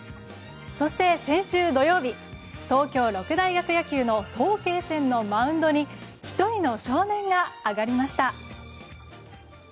そして、先週土曜日東京六大学野球の早慶戦のマウンドに１人の少年が上がりました。